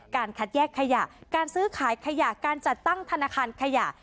คัดแยกขยะการซื้อขายขยะการจัดตั้งธนาคารขยะ